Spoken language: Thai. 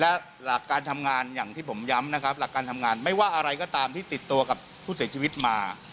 และหลักการทำงานอย่างที่ผมย้ำนะครับหลักการทำงานไม่ว่าอะไรก็ตามที่ติดตัวกับผู้เสียชีวิตมา